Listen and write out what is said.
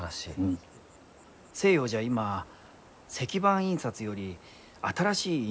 西洋じゃ今石版印刷より新しい印刷が。